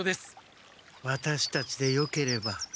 ワタシたちでよければ。